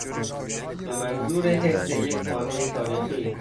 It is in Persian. به منظور حفظ یک خانهی تاریخی